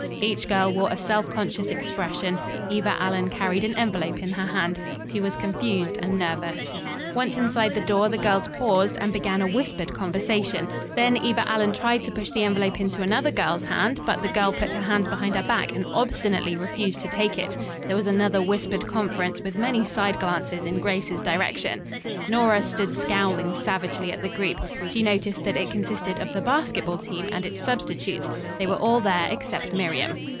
Each girl wore a self conscious expression. Eva Allen carried an envelope in her hand. She was confused and nervous. Once inside the door the girls paused and began a whispered conversation. Then Eva Allen tried to push the envelope into another girl's hand; but the girl put her hands behind her back and obstinately refused to take it. There was another whispered conference with many side glances in Grace's direction. Nora stood scowling savagely at the group. She noticed that it consisted of the basketball team and its substitutes. They were all there except Miriam.